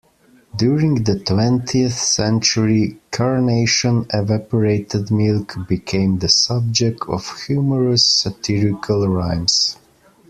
During the twentieth century, Carnation Evaporated Milk became the subject of humorous, satirical rhymes.